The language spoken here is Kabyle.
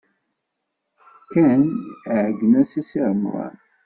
Ken iɛeyyen-as i Si Remḍan.